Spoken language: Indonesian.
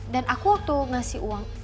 aku waktu ngasih uang